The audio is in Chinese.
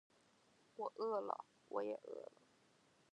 我饿了